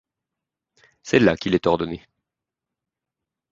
C'est là qu'il est ordonné.